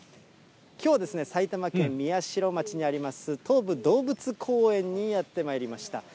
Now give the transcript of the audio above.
きょうはですね、埼玉県宮代町にあります、東武動物公園にやってまいりました。